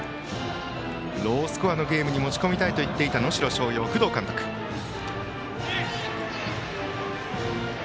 ロースコアのゲームに持ち込みたいと言っていた能代松陽の工藤監督です。